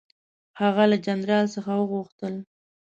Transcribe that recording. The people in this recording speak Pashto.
هغه له جنرال څخه وغوښتل.